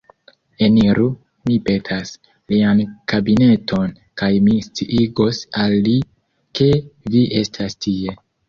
Eniru, mi petas, lian kabineton, kaj mi sciigos al li, ke vi estas tie.